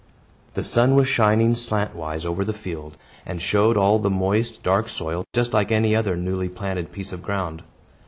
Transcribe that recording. The sun was shining slantwise over the field, and showed all the moist, dark soil just like any other newly planted piece of ground.